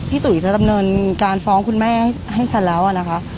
ตุ๋ยจะดำเนินการฟ้องคุณแม่ให้เสร็จแล้วนะคะ